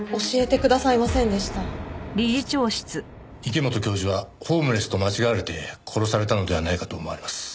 池本教授はホームレスと間違われて殺されたのではないかと思われます。